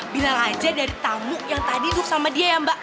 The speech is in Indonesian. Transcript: bilang aja dari tamu yang tadi tuh sama dia ya mbak